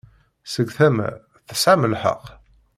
Seg tama, tesɛam lḥeqq.